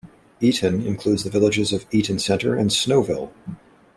Eaton includes the villages of Eaton Center and Snowville.